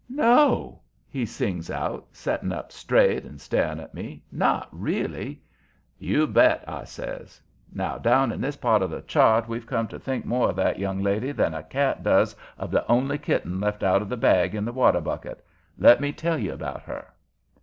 "No?" he sings out, setting up straight and staring at me. "Not really?" "You bet," I says. "Now down in this part of the chart we've come to think more of that young lady than a cat does of the only kitten left out of the bag in the water bucket. Let me tell you about her."